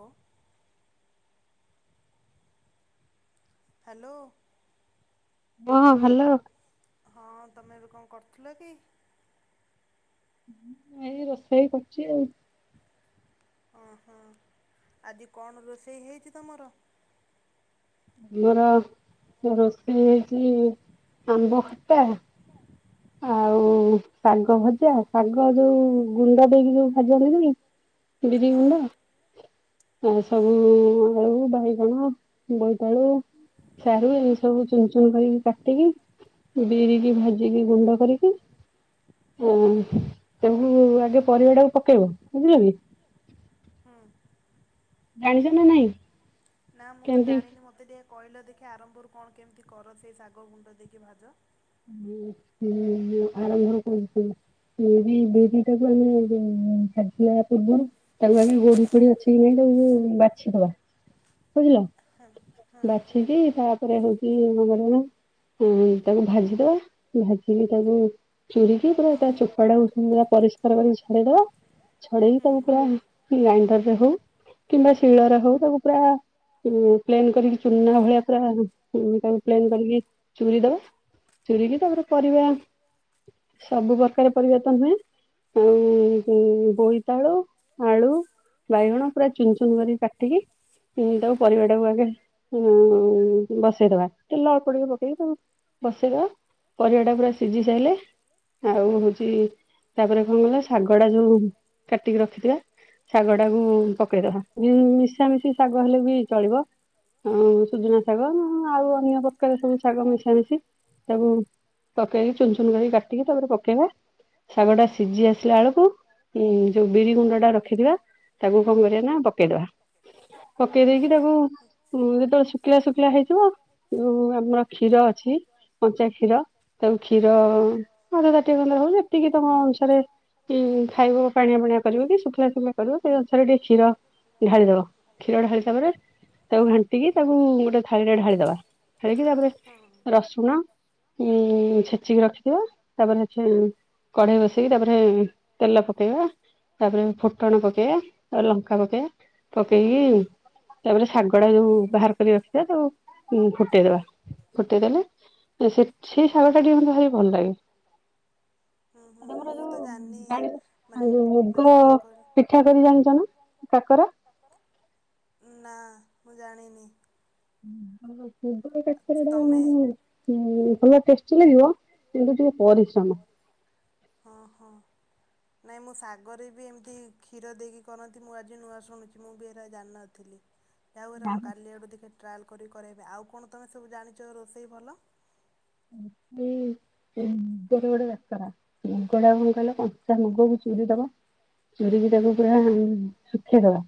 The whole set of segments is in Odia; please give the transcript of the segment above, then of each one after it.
ଓ ହ୍ୟାଲୋ। ହଁ ହ୍ୟାଲୋ। ହଁ ତମେ ଏବେ କଣ କରୁଥିଲ କି? ଏଇ ରୋଷେଇ କରୁଛି ଆଉ। ଓହୋ ଆଜି କଣ ରୋଷେଇ ହେଇଛି ତମର? ଆମର ରୋଷେଇ ହେଇଛି ଆମ୍ବ ଖଟା, ଆଉ ଉ-ଉ ଶାଗ ଭଜା, ଶାଗ ଯୋଉ ଗୁଣ୍ଡ ଦେଇକି ଯୋଉ ଭାଜନ୍ତି। ବିରିଗୁଣ୍ଡ ଆଉ ସବୁ ଉ-ଉ-ଉ [unintelligible] [unintelligible] ବୋଇତାଳୁ, ସାରୁ ଏ ସବୁ ଚୁନ୍ ଚୁନ୍ କରିକି କାଟିକି, ବିରିକି ଭାଜିକି ଗୁଣ୍ଡ କରିକି ଆ-ଆ ତାକୁ ଆଗେ ପରିବା ଟାକୁ ପକେଇବେ। ବୁଝିଲେ କି? ହଁ। ଜାଣିଛ ନା ନାଇଁ? ନାଁ ମୁଁ ତ ଜାଣିନି ମତେ ଟିକେ କହିଲ ଦେଖି ଆରମ୍ଭରୁ କଣ କେମିତି କର ସେଇ ଶାଗ ଗୁଣ୍ଡ ଦେଇକି ଭାଜ? [unintelligible] ଆରମ୍ଭରୁ [unintelligible] ଭାଜିଲା ପୂର୍ବରୁ ତାକୁ ଆଗେ ଗୋଡି ଫୋଡି ଅଛି କି ନାଇ ତାକୁ ବାଛିଦବା ବୁଝିଲ। ବାଛିକି ତାପରେ ହଉଛି [inaudible] ତାକୁ ଭାଜିଦବା ଭାଜିିକି ତାକୁ ଚୁରିକି ତାର ତା ଚୋପା ଟା ପୁରା ପରିଷ୍କାର କରି ଛଡେଇ ଦବା। ଛଡେଇକି ତାକୁ ପୁରା ଗ୍ରାଇଣ୍ଡରରେ ହଉ କିମ୍ବା ଶିଳରେ ହଉ ତାକୁ ପୁରା ଉଁ ପ୍ଲେନ କରିକି ଚୁନା ଭଳିଆ ପୁରା ଉ ତାକୁ ପ୍ଲେନ କରିକି ଚୁରି ଦବ। ଚୁରି କି ତାପରେ ପରିବା ସବୁ ପ୍ରକାର ତମେ ଉଁ-ଉ-ଉ ବୋଇତାଳୁ, ଆଳୁ, ବାଇଗଣ ପୁରା ଚୁନ୍ ଚୁନ୍ କରିକି କାଟିକି ଉତାକୁ ପରିବା ଟାକୁ ଆଗେ ଉଁ ବସେଇଦବା ତେଲ ଅଳ୍ପ ଟିକେ ପକେଇକି ତାକୁ ବସେଇଦବା ପରିବା ଟା ପୁରା ସିଝି ସାରିଲେ ଆଉ ହଉଛି ତାପରେ କଣ କଲେ ଶାଗ ଟା ଯୋଉ କାଟିକି ରଖିଥିବା। ଶାଗ ଟାକୁ ପକେଇଦବା ଇ-ଇ-ଇ ମିଶାମିଶି ଶାଗ ହେଲେ ବି ଚଳିବ। ଅ ସୁଜୁନା ଶାଗ ଅ-ଅ ଆଉ ଅନ୍ୟ ପ୍ରକାର ସବୁ ଶାଗ ମିଶା ତାକୁ ପକେଇକି ଚୁନ୍ ଚୁନ୍ କରିକି କାଟିକି ତାପରେ ପକେଇବା। ଶାଗଟା ସିଝି ଆସିଲା ବେଳକୁ ଉଁ ଯୋଉ ବିରି ଗୁଣ୍ଡଟା ରଖିଥିବା ତାକୁ କଣ କରିବା ନା ପକେଇଦବା। ପକେଇ ଦେଇକି ତାକୁ ଉ ଯେତେବେଳେ ଶୁଖିଲା ଶୁଖିଲା ହେଇଯିବ ହଁ ଯଉ ଆମର କ୍ଷୀର ଅଛି। କଞ୍ଚା କ୍ଷୀର ତାକୁ କ୍ଷୀର ଅ-ଅ ଅଧତାଟିଏ ଖଣ୍ଡେ ହଉ ଯେତିକି ତମ ଅନୁସାରେ କି ଖାଇବ ପାଣିଆ ପାଣିଆ କରିବ କି ଶୁଖିଲା ଶୁଖିଲା କରିବ ସେଇ ଅନୁସାରେ ଟିକେ କ୍ଷୀର ଢାଳିଦବ। କ୍ଷୀର ଢାଳିିଲା ପରେ ତାକୁ ଘାଣ୍ଟିକି ତା ହୁଁ ଥାଳି ରେ ଢାଳିଦବା ଢାଳିକି ତାପରେ ରସ୍ ଉଁ ଛେଚିକି ରଖିଥିବ ତାପରେ ଏଠି କଢେଇ ବସେ ଇ କି ତାପରେ ତେଲ ପକେଇବ ତାପରେ ଫୁଟଣ ପକେଇବା ଲଙ୍କା ପକେଇବ ପକେଇକି ତାପରେ ଶାଗଟା କୁ ବାହାର କରି ରଖିଥିବ ତାକୁ ଫୁଟେଇଦବା ଫୁଟେଇ ଦେଲେ ସେ ସେଇ ଶାଗ ଟା ଜଉ ଭାରି ଭଲ ଲାଗେ। [unintelligible] ମୁଗ ପିଠା କରି ଜାଣିଛ ନା କାକରା ମୁ ଜାଣିିନି। [unintelligible] ମୁଗ କାକରା ଟା ମୁଁ [unintelligible] ଷ୍ଟି ଲାଗିବ କିନ୍ତୁ ଟିକେ ପରିଶ୍ରମ। ନାଇଁ ମୁଁ ଶାଗରେ ବି ଏମିତି କ୍ଷୀର ଦେଇକି କରନ୍ତି ମୁଁ ଆଜି ନୂଆ ଶୁଣୁଛି ମୁଁ ବି ଏରା ଜାଣିନଥିଲି। ଆଉ ଏରା ମୁଁ କାଲି ଆଡୁ ଦେ ଟ୍ରାଏଲ୍ କରି କରାଇବେ ଆଉ କଣ ତୁମେ ସବୁ ଜାଣିଛ ରୋଷେଇ ଭଲ ମୁଗରେ ଗୋଟେ କାକରା ମୁଗଟା କଣ କହିଲ କଞ୍ଚା ମୁଗକୁ ଚୁରି ଦବା ଚୁ ରିିକି ତାକୁ ପୁରା ଶୁଖେଇଦବା।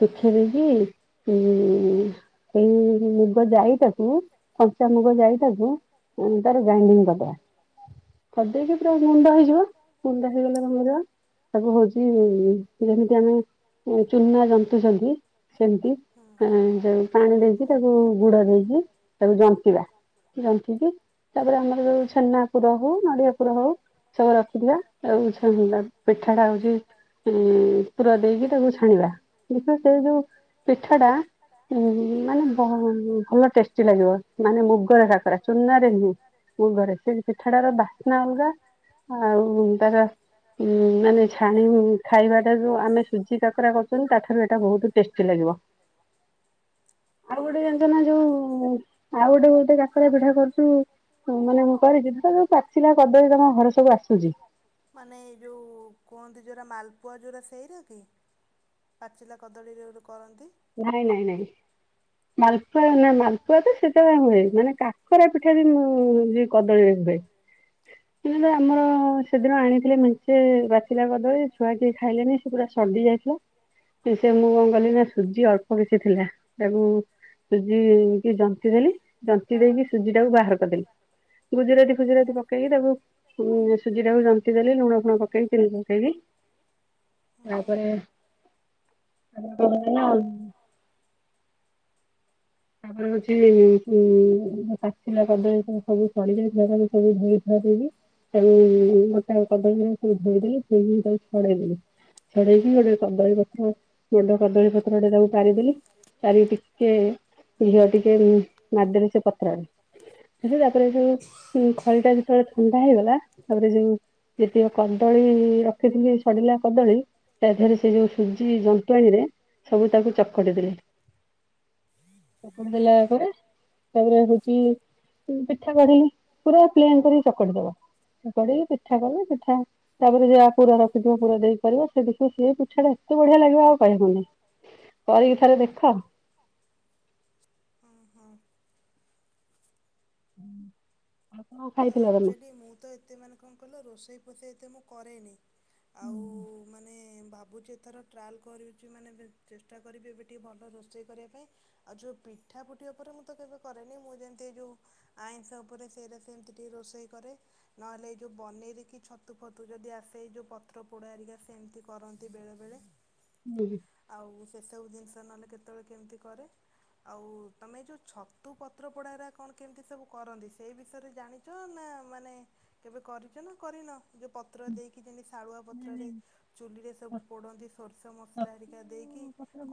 ଶୁଖେଇ ଦେଇକି ଉଁ ଉଁ ସେଇ ମୁଗ ଯାଇ ଟାକୁ କଞ୍ଚା ମୁଗ ଯାଇ ଟାକୁ ତାର ଗ୍ରାଇଣ୍ଡିଙ୍ଗ କରିଦବା କରିଦେଇକି ପୁରା ଗୁଣ୍ଡ ହେଇଯିବ ଗୁଣ୍ଡ ହେଇଗଲା ଆମର ତାକୁ ହଉଛି ଯେମିତି ଆମେ ଚୁନା ଜନ୍ତୁଛନ୍ତି ସେମିତି ଆଁ ଯ ପାଣି ଦେଇକି ତାକୁ ଗୁଡ ଦେଇକି ତାକୁ ଜନ୍ତିବା। ତାପରେ ଆମର ଯୋଉ ଛେନା ପୁର ହଉ ନଡିଆ ପୁର ହଉ ସବୁ ରଖିଥିବା ଆଉ ସେଇ ପିଠାଟା ହଉଛି ଉଁ ପୁର ଦେଇକି ତାକୁ ଛାଣିବା ଦେଖିବ ସେ ଯୋଉ ପିଠାଟା ମାନେ ଭ ଭଲ ଟେଷ୍ଟି ଲାଗିବ ମାନେ ମୁଗର କାକରା ଚୁନାରେ ନୁହଁ ମୁଗରେ ସେ ପିଠାଟାର ବାସ୍ନା ଅଲଗା ଆଉ ତାର ଉ ମାନେ ଛାଣି ଖାଇବାଟା ଯୋଉ ଆମେ ସୁଜି କାକରା କରୁଛନ୍ତି ତାଠାରୁ ଏଇଟା ବହୁତ ଟେଷ୍ଟି ଲାଗିବ। ଆଉ ଗୋଟେ ଜନିଛନା ଯୋଉ ଆଉ କାକରା ପିଠା ଜଉ ମାନେ ମୁଁ କରିଛି ତ ଯୋଉ ପାଚିଲା କଦଳୀ ତମ ଘରେ ସବୁ ଆସୁଛି ପୁଆ ଯଉରା ସେଇରା କି ପାଚିଲା କଦଳୀରେ ଯୋଉ କରନ୍ତି। ନାଇଁ ନାଇଁ ନାଇଁ। ମାଲପୁଆ ନା ମାଲପୁଆ ତ ସେଟାରେ ହୁଏ ମାନେ କାକରା ପିଠା ସରି ମୁଁ ଯିଏ କଦଳୀରେ। କିଲୋ ଆମର ସେଦିନ ଆଣିଥିଲେି ମିଞ୍ଚେ ବାଛିଲା ଛୁଆ ଟିକେ ଖାଇଲେଣିି ସେ ପୁରା ସଡି ଯାଇଥିଲା ସେ ମୁଁ କଣ କଲି ନା ସୁଜି ଅଳ୍ପ କିଛି ଥିଲା ତାକୁ ସୁଜି କି ଜନ୍ତି ଦେଲି। ଜନ୍ତି ଦେଇକି ସୁଜି ଟାକୁ ବାହାର କରିଦେଲି ଗୁଜୁରାତି ଫୁଜୁରାତି ପକେଇକି ତାକୁ ସୁଜି ଟାକୁ ଜନ୍ତି ଦେଲି ଲୁଣ ଫୁଣ ପକେଇକି ଚିନି ପକେଇକି ତାପରେ [unintelligible] [unintelligible] ତାପରେ ହଉଛି ଉ-ତା ଥିଲା କଦଳୀ ସବୁ ସରି-ସଡିଯାଇଥିଲା, ତାକୁ ସବୁ ଧୋଇ ଧୁଆ ଦେଇକି ତାକୁ ଗୋଟା କଦଳୀ ସବୁ ଧୋଇଦେଲି ଧୋଇକି ତାକୁ ଛଡେଇଦେଲି, ଛଡେଇକି ଗୋଟେ କଦଳୀ ପତ୍ର [unintelligible] କଦଳୀ ପତ୍ର ଗୋଟେ ତାକୁ ପାରିଦେଲି ପାରିକି ଟିକେ ଘିଅ ଟିକେ ମାରିଦେବେ ସେ ପତ୍ରରେ ସେଠି ତାପରେ ଯୋଉ ଉଁ ଖଳିଟା ଯେତେବେଳେ ଥଣ୍ଡା ହେଇଗଲା ତାପରେ ଯୋଉ ଯେତିକ କଦଳୀ ରଖିଥିଲି ଛଡିଲା କଦଳୀ ତା ଦେହରେ ସେ ଯୋଉ ସୁଜି ଯନ୍ତୁଣୀରେ ସବୁ ତାକୁ ଚକଟି ଦେଲି। ଚକୁଟି ଦେଲା ପରେ ତାପରେ ହଉଚି ଉଁ, ପିଠା ଗଢିନି ପୁରା ପ୍ଲେନ୍ କରିକି ଚକଟି ଦବ, ଚକଟିକି ପିଠା କରିବ, ପିଠା ତାପରେ ଯାହା ପୁରା ରଖିଥିବ ପୁର ଦେଇକି କରିବ, ସେ ଦେଖିବ ସିଏ ପିଠାଟା ଏତେ ବଢିଆ ଲାଗିବ ଆଉ କହିବାକୁ ନାହିଁ କରିକି ଥରେ ଦେଖ। ଅଁ, ହଁ। ହୁଁ ଆ, ଆକ୍ଚୁଲି ମୁଁ ତ ଏତେ ମାନେ କଣ କହିଲ ରୋଷେଇ ରୋଷେଇ ଏତେ ମୁଁ କରେନି। ଆଉ ମାନେ ଭାବୁଚି ଏଥର ଟ୍ରାଏଲ୍ କରୁଚୁ, ମାନେ ଚେଷ୍ଟା କରିବି ଏବେ ଟିକିଏ ଭଲ ରୋଷେଇ କରିବା ପାଇଁ ଆଉ ଯୋଉ ପିଠା ପୁଠି ଉପରେ ମୁଁ ତ କେବେ କରେନି ମୁଁ ଯେମିତି ଏ ଯୋଉ ଆଇଁଷ ଉପରେ ସେଇରା ସ ସେମିତି ଟିକେ ରୋଷେଇ କରେ, ନହେଲେ ଏଇ ଯୋଉ ବନିରି କିି ଛତୁ ଫତୁ ଯଦି ଆସେ ଏଇ ଯୋଉ ପତ୍ର ପୋଡ଼ା ଆରିକା ସେମିତି କରନ୍ତି ବେଳେବେଳେ। ଆଉ ସେସବୁ ଜିନିଷ ତ ନହେଲେ କେତେବେଳେ କେମିତି କରେ, ଆଉ ତୋମେ ଏଇ ଯୋଉ ଛତୁ ପତ୍ର ପଡା ରାରା କଣ କେମିତି ସବୁ କରନ୍ତି ସେଇ ବି ସେରେ ଜାଣିଚ ନା ମାନେ କେବେ କରିଚ ନା କରିନ? ଯୋଉ ପତ୍ର ଦେଇକି ଯେମିତି ଶାଳୁଆ ପତ୍ରରେ ଚୁଲିରେ ସବୁ ପୋଡ଼ନ୍ତି ସୋରିଷ ମସଲା ହେରିକା ଦେଇକି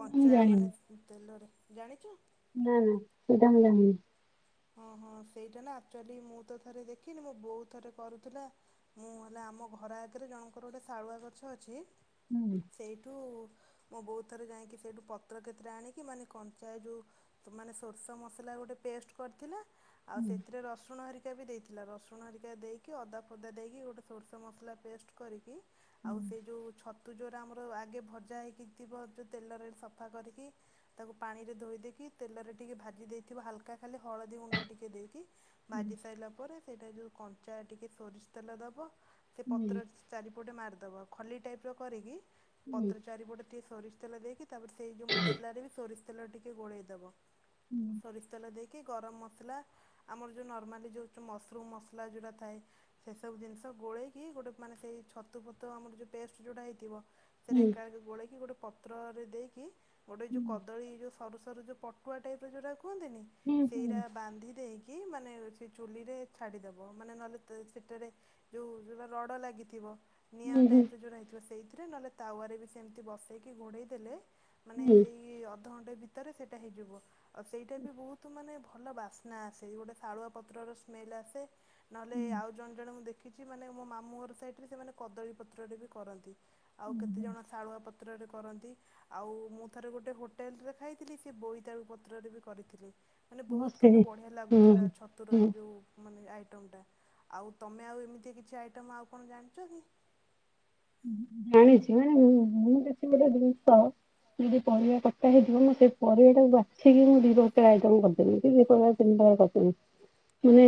କଞ୍ଚା ମାନେ ତେଲରେ ଜାଣିଚ। ହଁ ହଁ ସେଇଟା ନା ଆକ୍ଚୁଲି ମୁଁ ତ ଥରେ ଦେଖିନି, ମୋ ବୋଉ ଥରେ କରୁଥିଲା ମୁଁ ହେଲା ଆମ ଘର ଆଗରେ ଜଣଙ୍କର ଗୋଟେ ଶାଳୁଆ ଗଛ ଅଛି ସେଇଠୁ ମୋ ବୋଉ ଥରେ ଯାଇକି ସେଠୁ ପତ୍ର କେତେଟା ଆଣିକି ମାନେ କଞ୍ଚା ଯୋଉ ତ ମାନେ ସୋରଷ ମସଲା ଗୋଟେ ପେଷ୍ଟ କରିଥିଲା ଆଉ ସେଥିରେ ରସୁଣ ହେରିକା ବି ଦେଇଥିଲା, ରସୁଣ ହେରିକା ଦେଇକି ଅଦା ଫଦା ଦେଇକି ଗୋଟେ ସୋରଷ ମସଲା ପେଷ୍ଟ କରିକି ଆଉ ସେ ଯୋଉ ଛ ତୁ ଯୋଉରା ଆମର ଆଗେ ଭଜା ହୋଇକି ଥିବ ଯୋଉ ତେଲରେ ସଫା କରିକି ତାକୁ ପାଣିରେ ଧୋଇ ଦେଇକି, ତେଲରେ ଟିକି ଭାଜି ଦେଇଥିବ ହାଲକା ଖାଲି ହଳଦୀ ଗୁଣ୍ଡ ଟିକେ ଦେଇକି ଭାଜି ସାଇଲା ପରେ ସେ ସେଇଟା ଯୋଉ କଞ୍ଚା ଟିକେ ସୋରିଷ ତେଲ ଦବ। ସେ ପତ୍ର ରେ ଚାରି ଗୋଟେ ମାରିଦବ ଖଲି ଟାଇପ୍ ର କରିକି ପତ୍ର ଚାରିପଟେ ଟିକେ ସୋରି ତେଲ ଦେଇକି ତାପରେ ସେଇ ଯୋଉ ମସଲାରେ ବି ସୋରିଷ ତେଲ ଟିକେ ଗୋଳେଇଦବ, ସୋରିଷ ତେଲ ଦେଇ କି ଗରମ ମସଲା ଆମର ଯୋଉ ନର୍ମାଲି ଯୋଉ ଯୋଉ ମସରୁମ୍ ମସଲା ଯୋଉଟା ଥାଏ, ସେସବୁ ଜିନିଷ ଗୋଳେଇକି ଗୋଟେ ମାନେ ସେଇ ଛତୁ ଫତୁ ଆମର ଯୋଉ ପେଷ୍ଟ ଯୋଉଟା ହେଇଥିବ ସେରେ ଏକାବେଳେକେ ଗୋଳେଇକି ଗୋଟେ ପ ପତ୍ରରେ ଦେଇକି ଗୋଟେ ଯୋଉ କଦଳୀ ଯୋଉ ସରୁ ସରୁ ଯେଉଁ ପଟୁଆ ଟାଇପ୍ ର ଯେଉଁଟା କୁହନ୍ତିନି। ସେଇଟା ବାନ୍ଧି ଦେଇକି ମାନେ ସେ ଚୁଲି ରେ ଛାଡିଦବ ମାନେ ନହେଲେ ସେଠାରେ ଯୋଉ ରଡ ଲାଗିଥିବ। ନିଆଁ ଟାଇପ ରେ ଯୋଉ ରହିଥିଲା ସେଇ ସେଥିରେ ନହେଲେ ତାୱାରେ ବି ସେମିତି ବସେଇକି ଘୋଡ଼ାଇ ଦେଲେ ମାନେ ସେଇ ଘଣ୍ଟେ ଭିତରେ ସେଇଟା ହେଇଯିବ ଆଉ ସେଇଟା ବି ବହୁତ ତୁ ମାନେ ଭଲ ବାସ୍ନା ଆସେ ଗୋଟେ ଶାଳୁଆ ପତ୍ରର ସ୍ମେଲ୍ ଆସେ ନହେଲେ ଆଉ ଜଣେ ଜଣେ ମୁଁ ଦେଖିଛି ମାନେ ମୋ ମାମୁଁ ଘର ସାଇଡ଼ରେ ସେମାନେ କଦଳୀପତ୍ରରେ ବି କରନ୍ତି ଆଉ କେତେଜଣ ଶାଳୁଆ ପତ୍ରରେ କରନ୍ତି ଆଉ ମୁଁ ଥରେ ଗୋଟେ ହୋଟେଲରେ ଖାଇଥିଲି ସେ ବୋଇତାଳୁ ପତ୍ରରେ ବି କରିଥିଲେ। ମାନେ ବହୁତ କିନ୍ତୁ ବଢିଆ ଲାଗୁଥିଲା ଛତୁର ଏଇ ଯୋଉ ମାନେ ଆଉ ତମେ ଆଉ ଏମିତିଛି ଆଇଟମ୍ ଆଉ କଣ ଜାଣିଛ କି? ଜାଣିଛି ମାନେ ମୁଁ ମୁଁ କିଛି ଗୋଟେ ଜିନିଷ ଯଦି ପରିବା କଟା ହେଇଥିବ ମୁଁ ସେ ପରିବା ଟାକୁ ବାଛିକି ମୁଁ ଦି ପେ ଆଇଟମ କରିଦେବି କି ଦି ପରିବା ତିନିଟା କରିଦେବି ମାନେ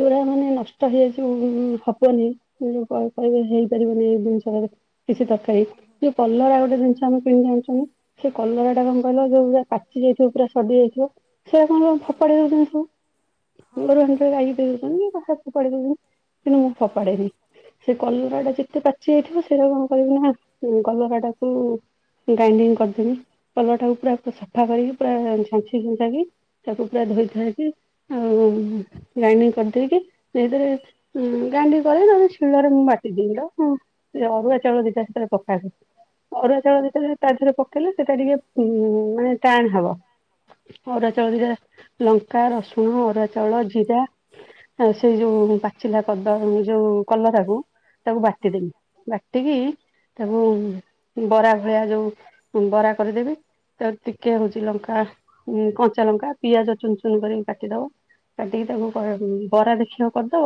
ଯୋଉଡା ମାନେ ନଷ୍ଟ ହେଇଯାଇଛି ହବନି ଯୋଉ କହିବେ ହେଇ ପାରିବନି ଇ ଜିନିଷ କିଛି ଦରକାର। ଯୋଉ କଲରା ଗୋଟେ ଜିନିଷ ଆମେ କିଣିି ଆଣୁଛି ସେ କଲରା ଟା [unintelligible] ପା ପାଚି ଯାଇଥିବ ପୁରା ସଢ଼ୀ ଯାଇଥିବ ସେୟା କଣ ଫୋପଡ଼ିବା ଦଉଛନ୍ତି ସବୁ ଗୋରୁ ହାଡିରେ ଗାଈ ଦେଇ ଦଉଛନ୍ତିା ଫା କିନ୍ତୁ ମୁଁ ଫେପାଡେନି ସେ କଲରା ଟା। ଏତେ ପାଚି ଯାଇଥିବ ସେଇଟା କଣ କରିବି ନା କଲରାଟାକୁ ଗ୍ରାଇଣ୍ଡିଙ୍ଗ କରିଦେବି କଲରାଟାକୁ ପୁରା ସଫା କରିକି ପୁରା ଛାଞ୍ଚି ଛଞ୍ଚାକି ତାକୁ ପୁରା ଧୋଇଥାଇକି ଆଉ ଗ୍ରାଇଣ୍ଡିଙ୍ଗ କରିଦେଇକି ସେଥିରେ ଗ୍ରାଇଣ୍ଡିଙ୍ଗ କ ତାେ ଶିଳରେ ମୁଁ ବାଟିଦିଏ। ହଁ ସେ ଅରୁଆ ଚାଉଳ ଦିଟା ସେଥିରେ ପକାହୁଏ ଅରୁଆ ଚାଉଳ ଦି ତା ଦେହରେ ପକେଇଲେ ସେଟା ଟିକେ ଉ ମାନେ ଟାଣ ହବ ଅରୁଆ ଚାଉଳ ଦିଟା ଲଙ୍କା ରସୁଣ ଅରୁଆ ଚାଉଳ ଜିରା ସେଇ ଯୋଉ ପାଚିଲା କଦ ଯୋଉ କଲରାକୁ ତାକୁ ବାଟି ବାଟିଦବି ବାଟିକି ତାକୁ ବରା ଭଳିଆ ଯୋଉ ବରା କରିଦେବି ତା ଟିକେ ହଉଛି ଲଙ୍କା କଞ୍ଚା ଲଙ୍କା ପିଆଜ ଚୁନ ଚୁନ କରିକି କାଟିଦବ କାଟିକି ତାକୁ କ ହୁଁ। ବରା ଦେଖିବାକୁ କରିଦବ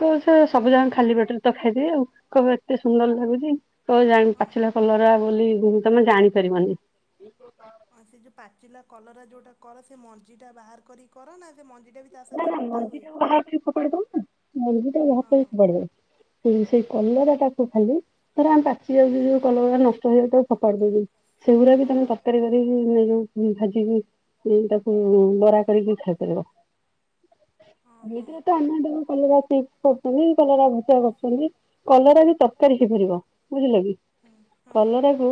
କ ସେ ସବୁ ଯାଙ୍କ ଖାଲି ପେଟରେ ତ ଖାଇଦିଏ ଆଉ। ଏତେ ସୁନ୍ଦର ଲାଗୁଛି ତ ପାଚିଲା କଲରା ବୋଲି ତମେ ଜାଣିପାରିବନି। କଲରା ଯୋଉଟା କର ସେ ମଞ୍ଜି ଟା ବାହାର କରିକି କର ନା ସେ ମଞ୍ଜି ନା ନା ମଞ୍ଜିରେ ବାହାର ଫୋପାଡ଼ି ଦବ। ମଞ୍ଜି ଟାକୁ ବାହାର କରି ଫୋପାଡ଼ି ଦେବ। ସେଇ ସେଇ କଲରାଟାକୁ ଖାଲି ଥରେ ଆମ ପାଚି ଯାଇଛି ଯୋଉ କଲରା ନଷ୍ଟ ହେଇଯାଉ ତା ଫୋପାଡି ଦେବି। ସେଗୁଡା ବି ତମେ ତରକାରୀ କରି [unintelligible] ଭାଜିକି ତାକୁ ବରା କରିକି ଖାଇପାରିବ। [unintelligible] କରୁଛନ୍ତି କଲରା ଭୂଜା କରୁଛନ୍ତି। କଲରା ବି ତରକାରୀ ହେଇପାରିବ ବୁଝିଲ କି କଲରାକୁୁ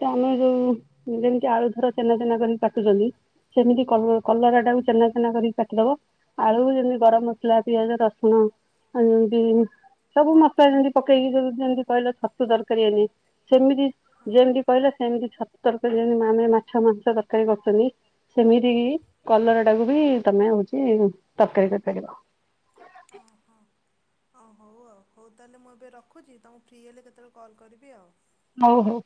ସେ ଆମେ ଯୋଉ ଯେମିତି ଆଳୁ ଧର ଚୁନା ଚୁନା କରି କାଟୁଛନ୍ତି ସେମିତି କଲରା ଟାକୁ ଚୂନା ଚୂନା କରି ମତଲବ। ଆଳୁ ଯେମିତି ଗରମ ମସଲା ପିଆଜ ରସୁଣ ଆଉ ଯେମିତି ସବୁ ମସଲା ଯେମିତି ପକେଇକି ଯେମ ଯେମିତି କହିଲ ଛତୁ ତରକାରୀ ଏନି ସେମିତି ଯେମିତି କହିଲ ସେମିତି ଛତୁ ତରକାରୀ ଯେମିତି ମାନେ ମାଛ ମାଂସ ତରକାରୀ କରୁଛନ୍ତି ସେମିତି କି କଲର ଟାକୁ ବି। ରହୁଛି ଉଁ। ତରକାରୀ କରିପାରିବ। ଅ ହଉ ଆଉ ହଉ ତାହେଲେ ମୁଁ ଏବେ ରଖୁଛି ତମକୁ ଫ୍ରି ହେଲେ କେତେବେଳେ କଲ୍ କରିବି ଆଉ। ହଉ ହଉ।